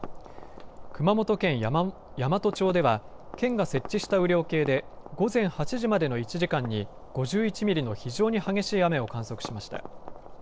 熊本県山都町では県が設置した雨量計で午前８時までの１時間に５１ミリの非常に激しい雨を観測しました。